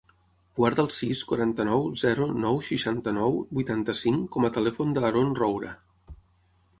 Guarda el sis, quaranta-nou, zero, nou, seixanta-nou, vuitanta-cinc com a telèfon de l'Haron Roura.